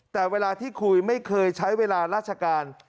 แต่เวลาที่คุยไม่เคยใช้เวลาราชการ